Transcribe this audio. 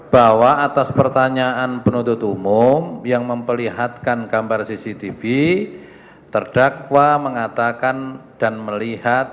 bahwa atas pertanyaan penuntut umum yang memperlihatkan gambar cctv terdakwa mengatakan dan melihat